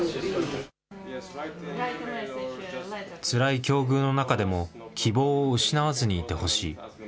つらい境遇の中でも希望を失わずにいてほしい。